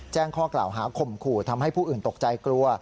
แจ้งข้อกล่าวหาข่มขู่ทำให้ผู้อื่นตกใจกลัว